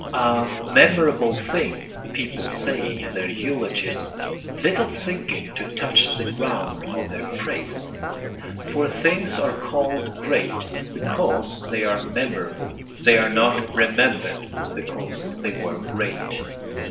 A memorable thing, people say in their eulogies, little thinking to touch the ground of their praise. For things are called great because they are memorable, they are not remembered because they were great.